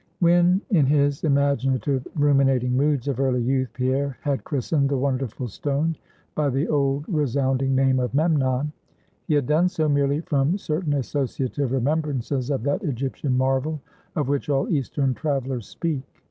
When in his imaginative ruminating moods of early youth, Pierre had christened the wonderful stone by the old resounding name of Memnon, he had done so merely from certain associative remembrances of that Egyptian marvel, of which all Eastern travelers speak.